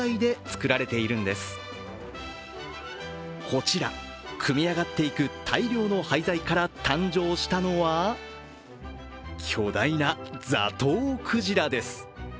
こちら、組み上がっていく大量の廃材から誕生したのは巨大なザトウクジラです。